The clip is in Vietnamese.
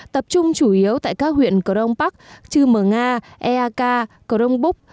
tập trung chủ yếu tại các huyện cờ đông bắc chư mờ nga eak cờ đông búc